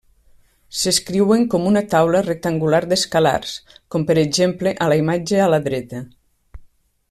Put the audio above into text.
S'escriuen com una taula rectangular d'escalars com per exemple a la imatge a la dreta.